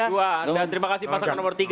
dan terima kasih pasangan nomor tiga